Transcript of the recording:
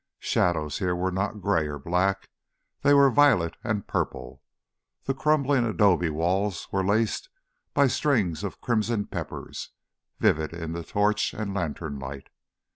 Shadows here were not gray or black; they were violet and purple. The crumbling adobe walls were laced by strings of crimson peppers, vivid in the torch and lantern light.